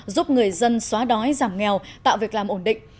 giúp người dân xóa đói giảm nghèo tạo việc làm ổn định